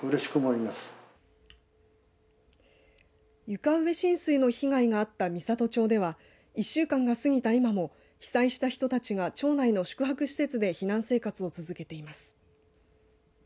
床上浸水の被害があった美郷町では１週間が過ぎた今も被災した人たちが町内の宿泊施設で避難生活を続けています。